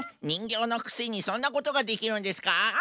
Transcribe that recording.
にんぎょうのくせにそんなことができるんですか？